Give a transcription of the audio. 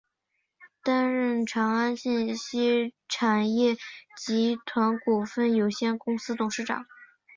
担任长安信息产业集团股份有限公司董事长。